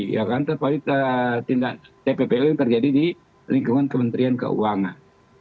ya kan terkait tindak tppu yang terjadi di lingkungan kementerian keuangan